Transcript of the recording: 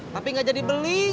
tapi gak jadi beli